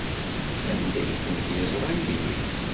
Anda ay tent-yeẓra Yidir?